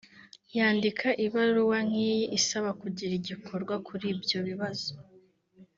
yandika ibaruwa nk’iyi isaba kugira igikorwa kuri ibyo bibazo